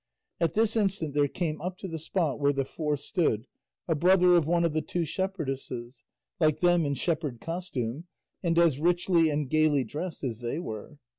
At this instant there came up to the spot where the four stood a brother of one of the two shepherdesses, like them in shepherd costume, and as richly and gaily dressed as they were.